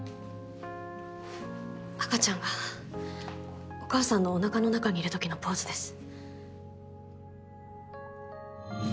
赤ちゃんがお母さんのお腹の中にいるときのポーズです。